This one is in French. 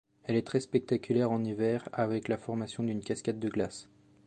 Elle est très spectaculaire en hiver avec la formation d'une cascade de glace.